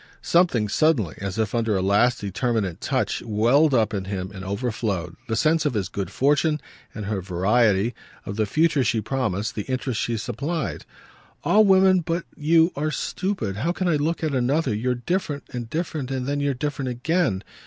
Something suddenly, as if under a last determinant touch, welled up in him and overflowed the sense of his good fortune and her variety, of the future she promised, the interest she supplied. "All women but you are stupid. How can I look at another? You're different and different and then you're different again.